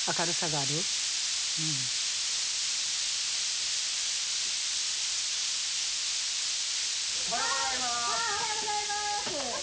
ああおはようございます！